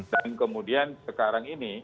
dan kemudian sekarang ini